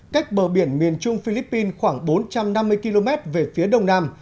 cách bờ biển miền trung philippines khoảng bốn trăm năm mươi km về phía đông nam